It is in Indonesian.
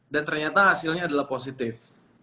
dan ternyata hasilnya adalah positif